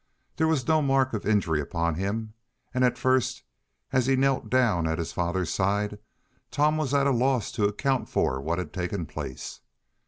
There was no mark of injury upon him, and at first, as he knelt down at his father's side, Tom was at a loss to account for what had taken place.